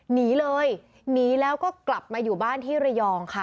หนีเลยหนีแล้วก็กลับมาอยู่บ้านที่ระยองค่ะ